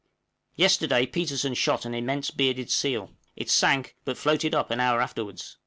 Yesterday Petersen shot an immense bearded seal; it sank, but floated up an hour afterwards.